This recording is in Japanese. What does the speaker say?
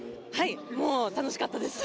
もう、楽しかったです。